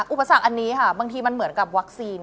อุปสรรคอันนี้ค่ะบางทีมันเหมือนกับวัคซีน